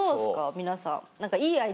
皆さん。